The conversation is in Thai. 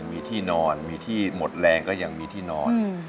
มีที่นอนมีที่หมดแรงก็ยังมีที่นอน